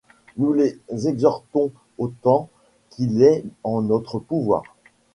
Nous les y exhortons autant qu’il est en notre pouvoir.